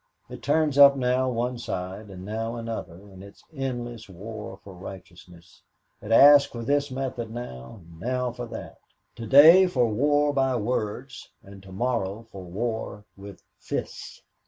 It turns up now one side and now another in its endless war for righteousness it asks for this method now, and now for that; to day for war by words, and to morrow for war with fists.